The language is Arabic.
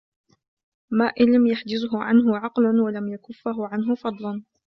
مَا إنْ لَمْ يَحْجِزْهُ عَنْهُ عَقْلٌ وَلَمْ يَكُفَّهُ عَنْهُ فَضْلٌ